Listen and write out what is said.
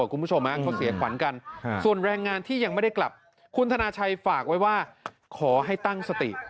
คุณผู้ชมเขาเสียขวัญกันส่วนแรงงานที่ยังไม่ได้กลับคุณธนาชัยฝากไว้ว่าขอให้ตั้งสติ